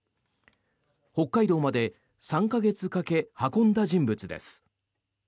北海道まで３か月かけ運んだ人物です。